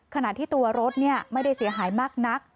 ขณะที่ตัวรถไม่ได้เสียหายมากนัก